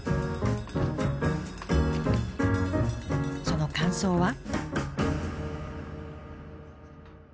その感想は？